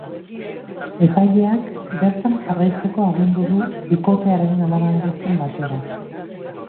Epaileak bertan jarraitzeko agindu du bikotearen alabarekin batera.